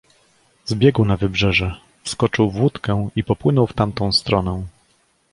"Zbiegł na wybrzeże, wskoczył w łódkę i popłynął w tamtą stronę."